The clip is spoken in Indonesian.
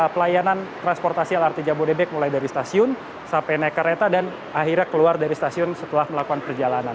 pelayanan transportasi lrt jabodebek mulai dari stasiun sampai naik kereta dan akhirnya keluar dari stasiun setelah melakukan perjalanan